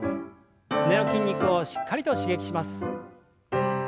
すねの筋肉をしっかりと刺激します。